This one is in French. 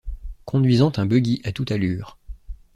conduisant un buggy à toute allure.